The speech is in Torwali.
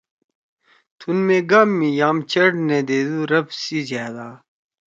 تُھون مے گام می یام چڑ نے دیدُو ربّ سی جھأدا